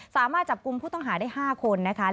สามารถจับกลุ่มผู้ต้องหาได้๕คนนะคะ